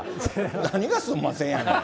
何がすんませんやねん。